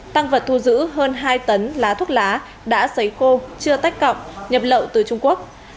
tăng vật thu giữ hơn hai tấn lá thuốc lá đã xấy khô chưa tách cọng nhập lậu từ trung quốc